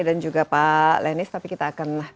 dan juga pak lenis tapi kita akan